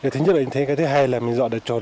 thứ hai là mình dọn chuồng